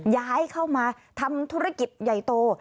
ย้ายเข้ามาทำธุรกิจใหญ่โต